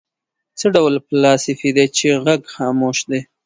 څه ډول فلاسفې دي چې غږ خاموش دی.